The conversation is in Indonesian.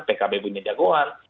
pkb punya jagoan